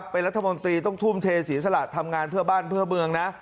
เป็นรัฐมนตรีต้องทุ่มเทเสียสละทำงานเพื่อบ้านเพื่อเมืองนะ